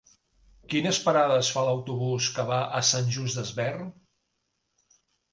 Quines parades fa l'autobús que va a Sant Just Desvern?